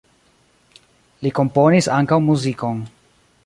Li komponis ankaŭ muzikon.